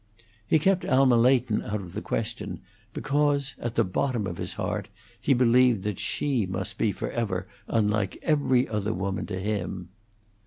He kept Alma Leighton out of the question, because at the bottom of his heart he believed that she must be forever unlike every other woman to him.